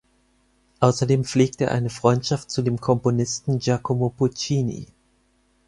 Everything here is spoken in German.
Außerdem pflegte er eine Freundschaft zu dem Komponisten Giacomo Puccini.